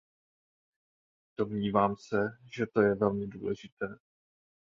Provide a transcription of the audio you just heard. Domnívám se, že to je velmi důležité.